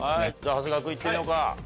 長谷川君いってみようか。